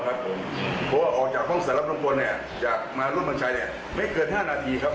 เฉพาะฉันยาเป็นคนอื่นยากสงสัยกรรณาชายังยากหัว